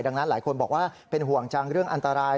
ดังนั้นหลายคนบอกว่าเป็นห่วงจังเรื่องอันตราย